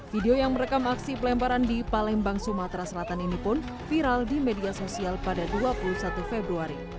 video yang merekam aksi pelemparan di palembang sumatera selatan ini pun viral di media sosial pada dua puluh satu februari